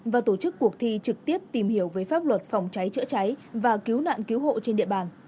và tổ chức cuộc thi trực tiếp tìm hiểu về pháp luật phòng cháy chữa cháy và cứu nạn cứu hộ trên địa bàn